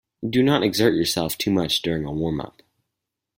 Do not exert yourself too much during a warm-up.